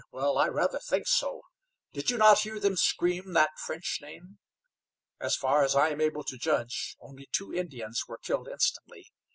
Well, I rather think so. Did you not hear them scream that French name? As far as I am able to judge, only two Indians were killed instantly.